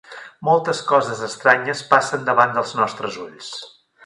Moltes coses estranyes passen davant dels nostres ulls.